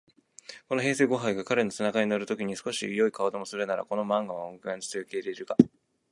それも平生吾輩が彼の背中へ乗る時に少しは好い顔でもするならこの漫罵も甘んじて受けるが、